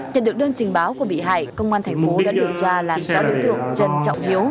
nhận được đơn trình báo của bị hại công an tp đã điều tra là sáu đối tượng trần trọng hiếu